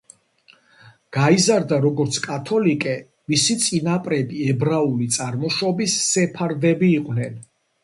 გაიზარდა როგორც კათოლიკე, მისი წინაპრები ებრაული წარმოშობის სეფარდები იყვნენ.